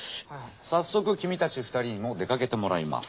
早速キミたち２人にも出かけてもらいます。